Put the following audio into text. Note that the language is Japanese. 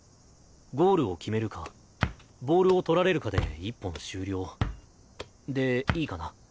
ゴールを決めるかボールを取られるかで１本終了でいいかな？